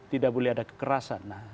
tidak boleh ada kekerasan